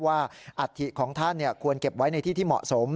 อัฐิของท่านควรเก็บไว้ในที่ที่เหมาะสม